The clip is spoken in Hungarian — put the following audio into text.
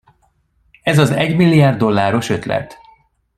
Ez az egymilliárd dolláros ötlet.